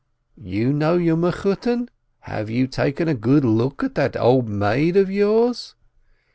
You know your Mechutton? Have you taken a good look at that old maid of yours?